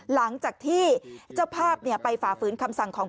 หลังจากที่เจ้าภาพไปฝ่าฝืนคำสั่งของ